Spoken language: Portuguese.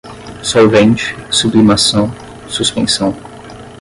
solvente, sublimação, suspensão